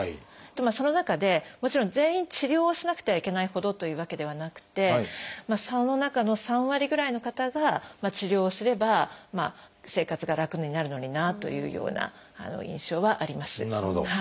その中でもちろん全員治療をしなくてはいけないほどというわけではなくてその中の３割ぐらいの方が治療をすれば生活が楽になるのになというような印象はあります。